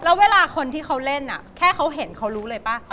แล้วเวลาคนที่เขาเล่นแค่เขาเห็นเขารู้เลยป่ะ